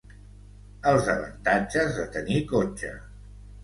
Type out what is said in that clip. Els avantatges de tenir cotxe.